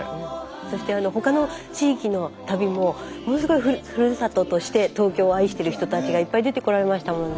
そして他の地域の旅もものすごいふるさととして東京を愛してる人たちがいっぱい出てこられましたもんね。